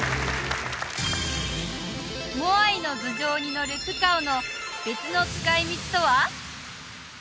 モアイの頭上にのるプカオの別の使い道とは？